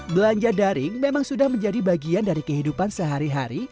belanja daring memang sudah menjadi bagian dari kehidupan sehari hari